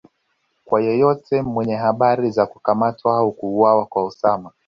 kwa yeyote mwenye habari za kukamatwa au kuuwawa kwa Osama